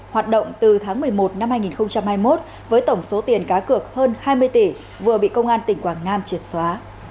hoạt động từ tháng một mươi một năm hai nghìn hai mươi một với tổng số tiền cá cược hơn hai mươi tỷ vừa bị công an tỉnh quảng nam triệt xóa